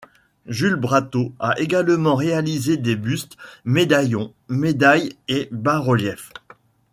Jules Brateau a également réalisé des bustes, médaillons, médailles et bas-reliefs.